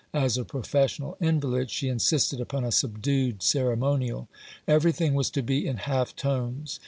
As a professional invalid, she insisted upon a subdued ceremonial. Everything was to be in half tones.